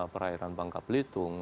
perairan bangka pelitung